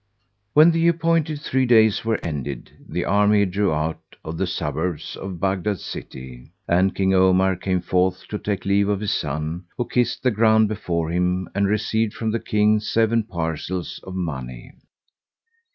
When the appointed three days were ended, the army drew out to the suburbs of Baghdad city;[FN#157] and King Omar came forth to take leave of his son who kissed the ground before him and received from the King seven parcels of money.